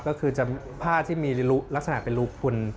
ก็คือจะผ้าที่มีลักษณะเป็นรูคุณ